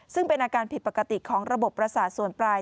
ซึ่งเป็นอาการผิดปกติของระบบประสาทส่วนปลาย